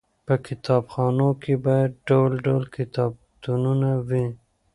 په کتابخانو کې باید ډول ډول کتابونه وي.